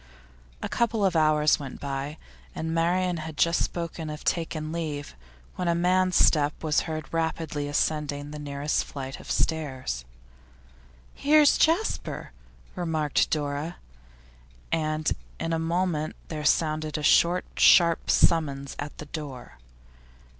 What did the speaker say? A couple of hours went by, and Marian had just spoken of taking her leave, when a man's step was heard rapidly ascending the nearest flight of stairs. 'Here's Jasper,' remarked Dora, and in a moment there sounded a short, sharp summons at the door.